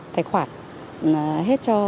tài khoản hết cho